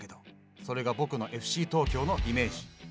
それが僕のＦＣ東京のイメージ。